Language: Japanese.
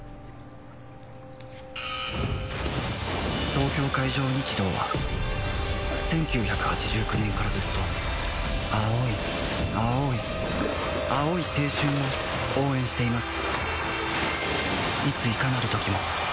東京海上日動は１９８９年からずっと青い青い青い青春を応援しています